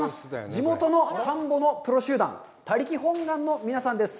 地元の田んぼのプロ集団、「田力本願」の皆さんです。